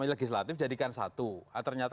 legislatif jadikan satu ternyata